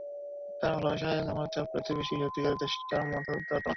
তাঁর ভালোবাসার ধামার চাপ এতই বেশি, সত্যিকার দেশটা মাথা তুলতে পারত না।